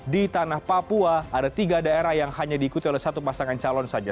di tanah papua ada tiga daerah yang hanya diikuti oleh satu pasangan calon saja